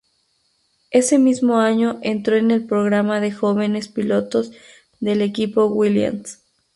Ese mismo año entró en el programa de jóvenes pilotos del equipo Williams.